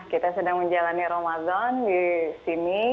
kita sedang menjalani ramadan di sini